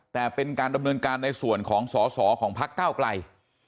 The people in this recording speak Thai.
แต่เป็นการดำเนินการในส่วนของสอสอของพักเก้าไกล